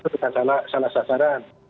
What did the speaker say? tidak salah sasaran